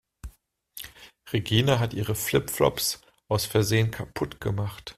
Regina hat ihre Flip-Flops aus Versehen kaputt gemacht.